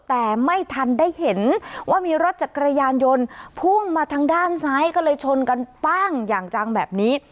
แต่ไม่ทันได้เห็นว่ามีรถจักรยานยนต์พุ่งมาทางด้านซ้ายก็เลยชนกันปั้งอย่างจังแบบนี้